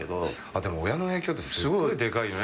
でも親の影響ってすごいでかいよね。